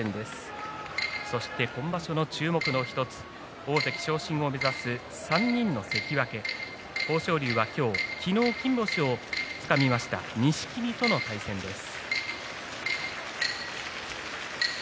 今場所の注目の１つ大関昇進を目指す３人の関脇豊昇龍は昨日金星をつかんだ錦木との対戦です。